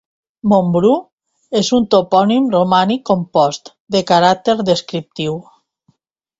Montbrú és un topònim romànic compost, de caràcter descriptiu.